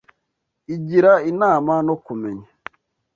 Igira inama no kumenya